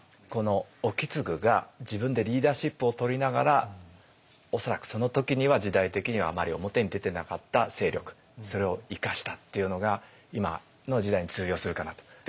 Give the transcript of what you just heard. この意次が自分でリーダーシップをとりながら恐らくその時には時代的にはあまり表に出てなかった勢力それを生かしたっていうのが今の時代に通用するかなと。